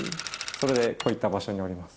それでこういった場所におります。